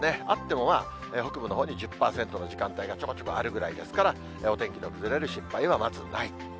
あってもまあ、北部のほうで１０％の時間帯がちょこちょこあるぐらいですから、お天気の崩れる心配はまずない。